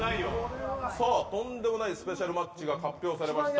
とんでもないスペシャルマッチが発表されました。